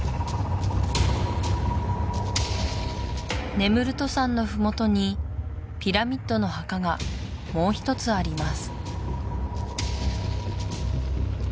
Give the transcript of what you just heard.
ネムルト山の麓にピラミッドの墓がもう一つあります